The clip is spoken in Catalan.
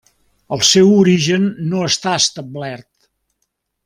El seu origen no està establert.